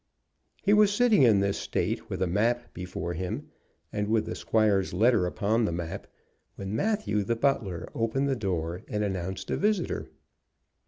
He was sitting in this state with a map before him, and with the squire's letter upon the map, when Matthew, the butler, opened the door and announced a visitor.